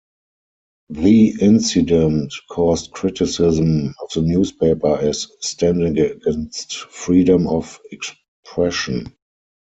The incident caused criticism of the newspaper as standing against freedom of expression.